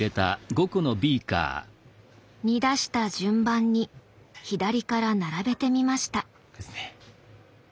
煮出した順番に左から並べてみました。